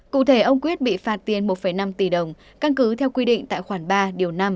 cụ thể ông quyết bị phạt tiền một năm tỷ đồng căn cứ theo quy định tại khoản ba điều năm